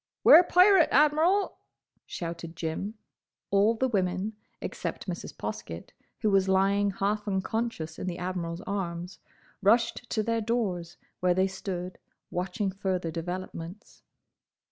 "'Ware pirate, Admiral!" shouted Jim. All the women, except Mrs. Poskett, who was lying half unconscious in the Admiral's arms, rushed to their doors, where they stood, watching further developments.